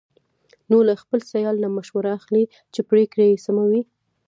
نو له خپل سیال نه مشوره اخلي، چې پرېکړه یې سمه وي.